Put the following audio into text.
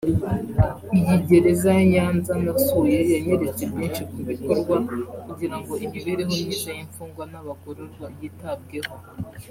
« Iyi gereza ya Nyanza nasuye yanyeretse byinshi bikorwa kugira ngo imibereho myiza y’imfungwa n’abagororwa yitabweho»